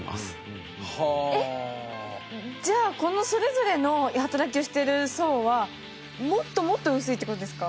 じゃあこのそれぞれの働きをしている層はもっともっと薄いっていう事ですか？